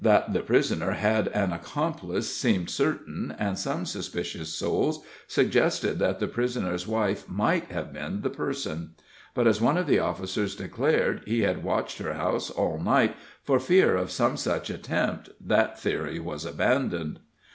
That the prisoner had an accomplice seemed certain, and some suspicious souls suggested that the prisoner's wife might have been the person; but as one of the officers declared he had watched her house all night for fear of some such attempt, that theory was abandoned.